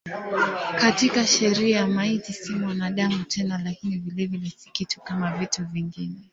Katika sheria maiti si mwanadamu tena lakini vilevile si kitu kama vitu vingine.